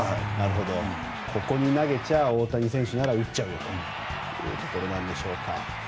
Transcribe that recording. ここに投げちゃ大谷選手なら打っちゃうよというところなんでしょうか。